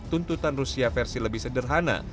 tuntutan rusia versi lebih sederhana